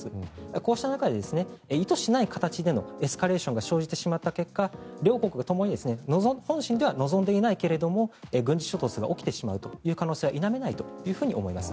こうした中で意図しない形でのエスカレーションが生じてしまった結果両国がともに本心では望んでいないけども軍事衝突が起きてしまう可能性は否めないと思います。